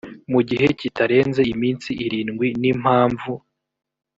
mu gihe kitarenze iminsi irindwi n impamvu